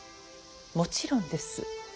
もちろんです。